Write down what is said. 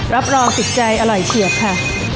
รับรองติดใจอร่อยเฉียบค่ะ